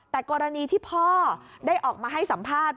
แต่กรณีที่พ่อได้ออกมาให้สัมภาษณ์